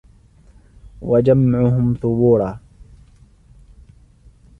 وَجَمْعُهُمْ ثُبُورًا